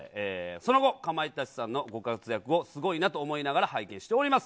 その後、かまいたちさんのご活躍をすごいなと思いながら拝見しております。